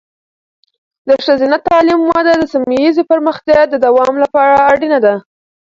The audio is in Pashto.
د ښځینه تعلیم وده د سیمه ایزې پرمختیا د دوام لپاره اړینه ده.